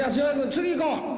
次いこう！